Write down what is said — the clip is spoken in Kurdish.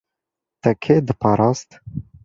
Te kê diparast?